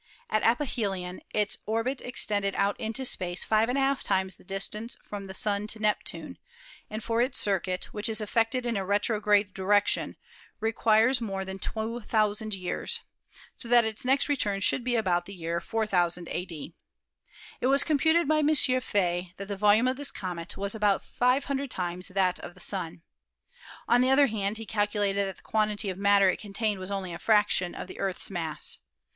At aphelion its orbit extended out into space to $ J /> times the distance from the Sun to Neptune, and for its circuit, which is effected in a retrograde direction, requires more than 2,000 years, so that its next return should be about the year 4000 a.d.. It was computed by M. Faye that the volume of this comet was about 500 times that of the Sun. On the other hand, he calculated that the quantity of mat ter it contained was only a fraction of the Earth's mass.